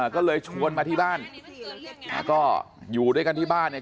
ก็เลยชวนมาที่บ้านก็อยู่ด้วยกันที่บ้านเนี่ย